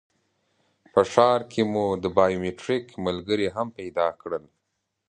په ښار کې مو د بایومټریک ملګري هم پیدا کړل.